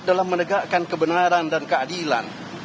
dalam menegakkan kebenaran dan keadilan